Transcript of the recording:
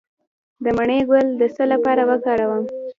د مڼې ګل د څه لپاره وکاروم؟